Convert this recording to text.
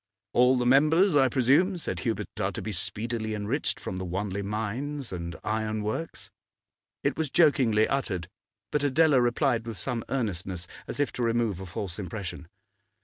'All the members, I presume,' said Hubert, 'are to be speedily enriched from the Wanley Mines and Iron Works?' It was jokingly uttered, but Adela replied with some earnestness, as if to remove a false impression.